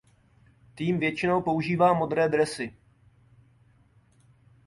Tým většinou používá modré dresy.